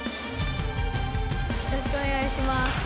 よろしくお願いします。